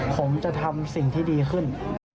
ผมจะทำสิ่งที่ดีขึ้น